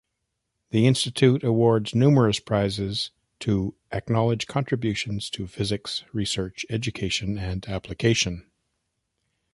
The Institute awards numerous prizes to acknowledge contributions to physics research, education and application.